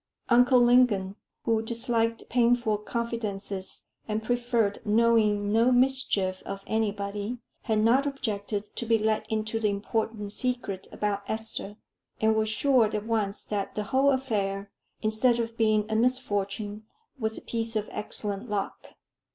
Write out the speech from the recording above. Uncle Lingon, who disliked painful confidences, and preferred knowing "no mischief of anybody," had not objected to be let into the important secret about Esther, and was sure at once that the whole affair, instead of being a misfortune, was a piece of excellent luck.